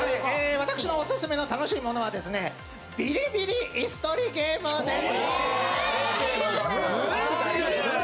私のオススメの楽しいものは「ビリビリイス取りゲーム」です。